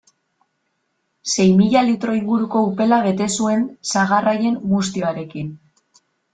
Sei mila litro inguruko upela bete zuen sagar haien muztioarekin.